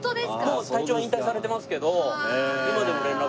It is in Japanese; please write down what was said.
もう隊長は引退されてますけど今でも連絡。